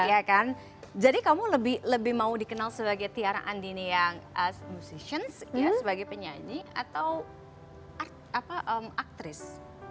iya kan jadi kamu lebih lebih mau dikenal sebagai tiara andini yang as musicians ya sebagai penyanyi atau artis